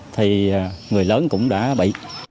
thì người lớn cũng đã bị